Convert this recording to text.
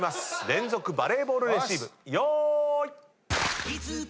連続バレーボールレシーブよーい。